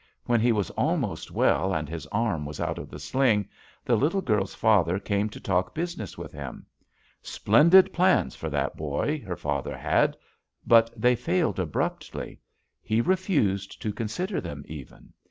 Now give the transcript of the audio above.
When he was almost well and his arm was out of the sling, the little girl's father came to talk business with him. Splendid plans for that boy her father had, but they failed abruptly. He re ^ JUST SWEETHEARTS fused to consider them, even.